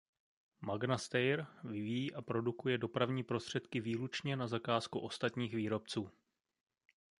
Magna Steyr vyvíjí a produkuje dopravní prostředky výlučně na zakázku ostatních výrobců.